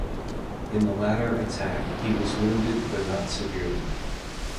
In the latter attack, he was wounded but not severely.